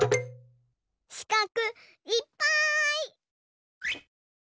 しかくいっぱい！